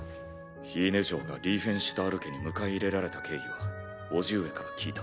フィーネ嬢がリーフェンシュタール家に迎え入れられた経緯は伯父上から聞いた。